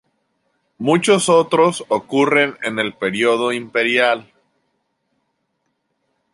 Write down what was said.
Muchos otros ocurren en el periodo imperial.